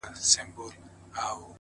هره ورځ د بدلون نوی امکان لري’